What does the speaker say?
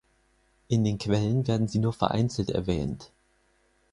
In den Quellen werden sie nur vereinzelt erwähnt.